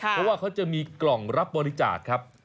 เพราะว่าเขาจะมีกล่องรับบริจาคครับ